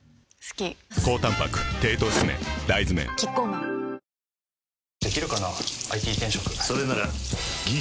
大豆麺キッコーマン「ヴィセ」